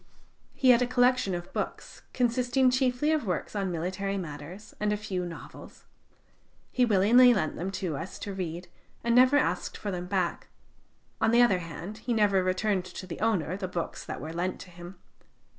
He had a collection of books, consisting chiefly of works on military matters and a few novels. He willingly lent them to us to read, and never asked for them back; on the other hand, he never returned to the owner the books that were lent to him.